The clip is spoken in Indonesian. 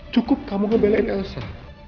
cukup kamu ngebelain elsa